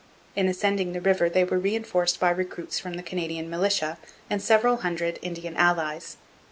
In ascending the river they were reinforced by recruits from the Canadian militia and several hundred Indian allies.